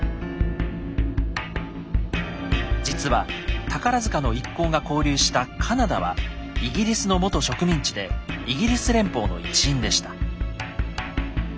実は宝の一行が交流したカナダはイギリスの元植民地でイギリス連邦の一員でした。